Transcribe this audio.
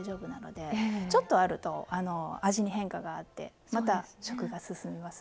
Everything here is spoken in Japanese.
ちょっとあると味に変化があってまた食が進みます。